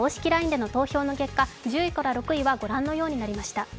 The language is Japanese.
ＬＩＮＥでの投票の結果１０位から６位は御覧のようになりました。